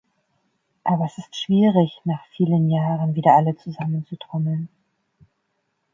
Aber es ist schwierig, nach vielen Jahren wieder alle zusammenzutrommeln.